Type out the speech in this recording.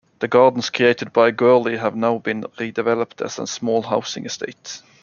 The gardens created by Gourley have now been redeveloped as a small housing estate.